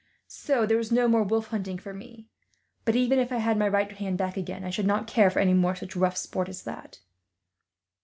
So there is no more wolf hunting for me; but even if I had my right hand back again, I should not care for any more such rough sport as that."